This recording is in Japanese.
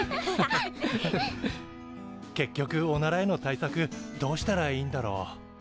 結局おならへの対策どうしたらいいんだろう？